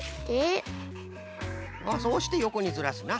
あっそうしてよこにずらすな。